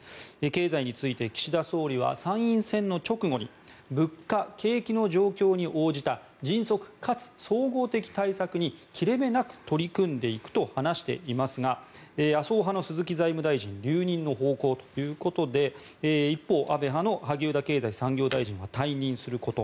経済について岸田総理は参院選の直後に物価、景気の状況に応じた迅速かつ総合的対策に切れ目なく取り組んでいくと話していますが麻生派の鈴木財務大臣は留任の方向ということで一方、安倍派の萩生田経済産業大臣が退任すること。